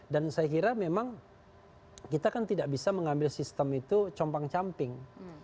dan saya kira memang kita kan tidak bisa mengambil sistem itu compang camping